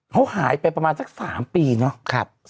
เขาหายไปประมาณสัก๓ปีเนาะ